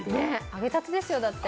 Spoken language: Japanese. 揚げたてですよだって。